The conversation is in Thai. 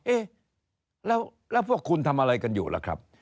เอ๊ะแล้วพวกคุณทำอะไรกันอยู่ล่ะครับ